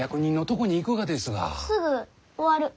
すぐ終わる。